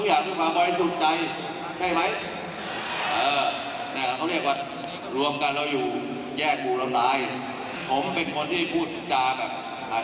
คำว่าหัวใจสิงห่วงคืออะไร